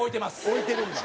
置いてるんだ。